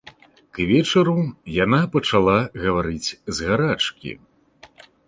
К вечару яна пачала гаварыць з гарачкі.